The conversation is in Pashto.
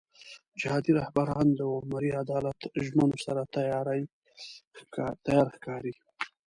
جهادي رهبران د عمري عدالت ژمنو سره تیار ښکاري.